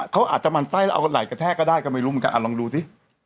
เขาอาจจะหมั่นไส้แล้วเอาไหล่กระแทกก็ได้ก็ไม่รู้เหมือนกันลองดูสิ